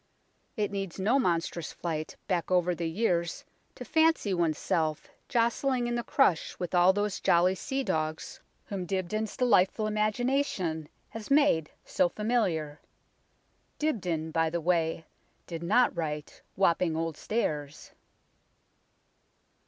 It needs no monstrous flight back over the years to fancy oneself jostling in the crush with all those jolly sea dogs whom Dibdin's delightful imagination WAPPING HIGH STREET in has made so familiar. Dibdin, by the way, did not write " Wapping Old Stairs."